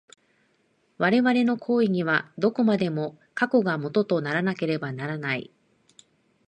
我々の行為には、どこまでも過去が基とならなければならない。